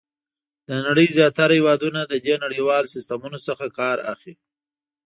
د نړۍ زیاتره هېوادونه له دې نړیوال سیسټمونو څخه کار اخلي.